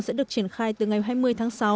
sẽ được triển khai từ ngày hai mươi tháng sáu